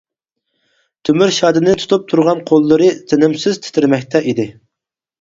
تۆمۈر شادىنى تۇتۇپ تۇرغان قوللىرى تىنىمسىز تىترىمەكتە ئىدى.